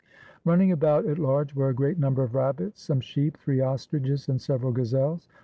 Running about at large were a great number of rabbits, some sheep, three ostriches, and several gazelles.